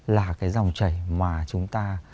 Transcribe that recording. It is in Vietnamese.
là cái dòng chảy mà chúng ta